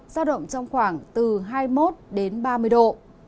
giao động trong khoảng từ hai mươi một đến ba mươi độ